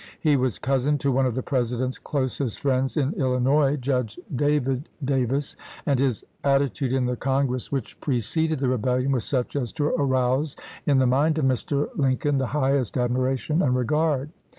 He was cousin to one of the President's closest friends in Illinois, Judge David Davis, and his attitude in the Congress which preceded the Eebellion was such as to arouse in the mind of Mr. Lincoln the highest admiration and regard.